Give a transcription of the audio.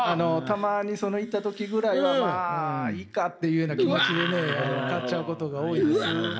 たまにその行った時ぐらいはまあいいかっていうような気持ちで買っちゃうことが多いんです。